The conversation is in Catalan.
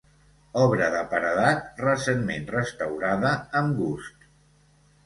Obra de paredat, recentment restaurada amb gust.